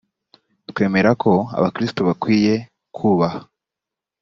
twemera ko abakristo bakwiye kubaha